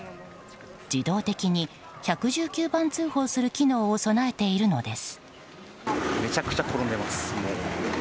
自動的に１１９番通報する機能を備えているのです。